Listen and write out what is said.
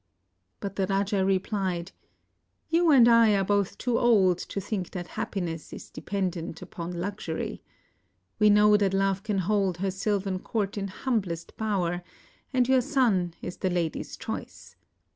But the raja replied, "You and I are both too old to think that happiness is dependent upon luxur>^ We know that love can hold her sylvan couri in humblest bower, and your son is the lady's choice.